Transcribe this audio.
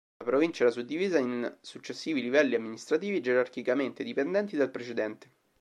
La provincia era suddivisa in successivi livelli amministrativi gerarchicamente dipendenti dal precedente.